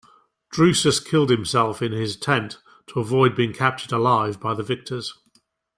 Drusus killed himself in his tent to avoid being captured alive by the victors.